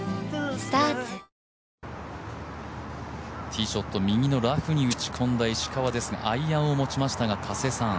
ティーショット右のラフに打ち込んだ石川ですがアイアンを持ちましたが加瀬さん。